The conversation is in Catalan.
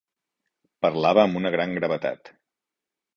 Parlava amb una gran gravetat.